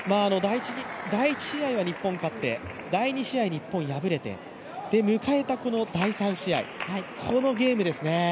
第１試合は日本勝って、第２試合は日本敗れて迎えた第３試合、このゲームですね。